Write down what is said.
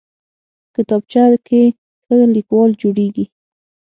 کتابچه کې ښه لیکوال جوړېږي